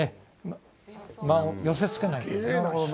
寄せつけない。